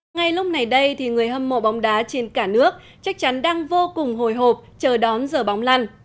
ngay lúc này đây thì người hâm mộ bóng đá trên cả nước chắc chắn đang vô cùng hồi hộp chờ đón giờ bóng lăn